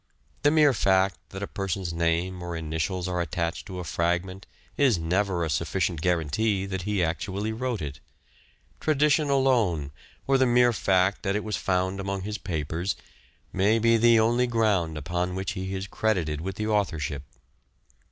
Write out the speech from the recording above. The mere fact that a person's name or initials are attached to a fragment is never a sufficient guarantee that he actually wrote it. Tradition alone, or the mere fact that it was found among his papers, may be the only ground upon which he is credited with the authorship.